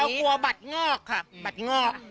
กลัวบัตรงอกค่ะบัตรงอก